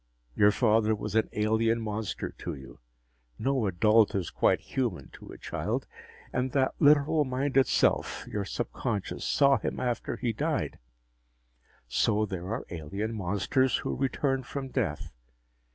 Your father was an alien monster to you no adult is quite human to a child. And that literal minded self, your subconscious, saw him after he died. So there are alien monsters who return from death.